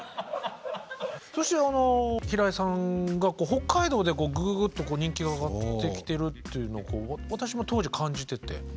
そしてあの平井さんが北海道でぐぐぐっと人気が上がってきてるっていうのを私も当時感じてて。